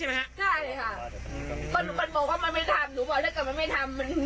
ก่อนหน้านี้มีทะเลาะอะไรกันไหม